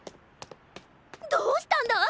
どうしたんだ？